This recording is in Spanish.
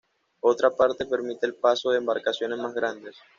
Otra parte permite el paso de embarcaciones más grandes.